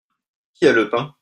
Qui a le pain ?